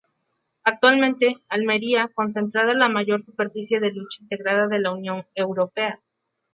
Actualmente, Almería concentra la mayor superficie de lucha integrada de la Unión Europea.